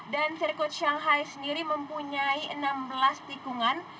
dan sirkuit shanghai sendiri mempunyai enam belas tikungan